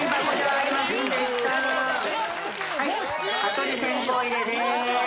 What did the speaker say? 蚊取り線香入れです。